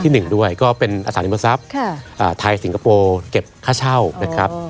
หนึ่งด้วยก็เป็นอสาธิมทรัพย์ไทยสิงคโปร์เก็บค่าเช่านะครับ